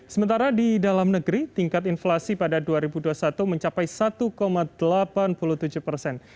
sementara di dalam negeri tingkat inflasi pada dua ribu dua puluh satu mencapai satu delapan puluh tujuh persen